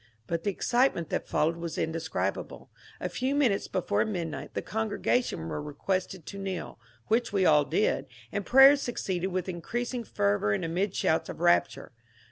But the excitement that followed was in describable. A few minutes before midnight the congrega tion were requested to kneel, which we all did, and prayer succeeded prayer with increasing fervour and amid shouts of rapture.